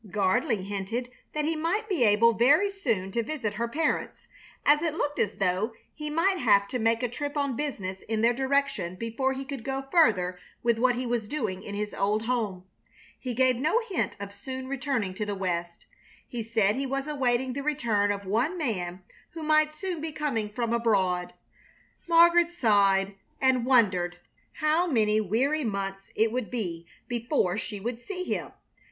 Gardley hinted that he might be able very soon to visit her parents, as it looked as though he might have to make a trip on business in their direction before he could go further with what he was doing in his old home. He gave no hint of soon returning to the West. He said he was awaiting the return of one man who might soon be coming from abroad. Margaret sighed and wondered how many weary months it would be before she would see him.